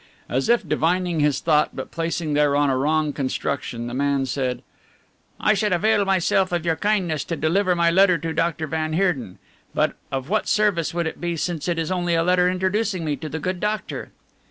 As if divining his thought, but placing thereon a wrong construction, the man said: "I should avail myself of your kindness to deliver my letter to Doctor van Heerden, but of what service would it be since it is only a letter introducing me to the good doctor?"